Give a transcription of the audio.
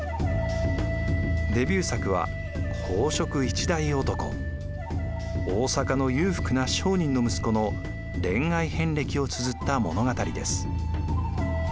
デビュー作は大坂の裕福な商人の息子の恋愛遍歴をつづった物語です。